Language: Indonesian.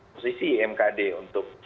posisi mkd untuk